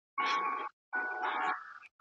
ولسمشر نړیوال ملاتړ نه هیروي.